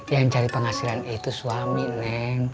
yang cari penghasilan itu suami neng